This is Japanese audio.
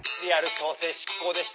強制執行でした！